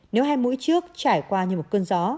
nếu hai mũi trước trải qua như một cơn gió